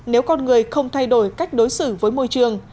nếu con người không thay đổi cách đối xử với môi trường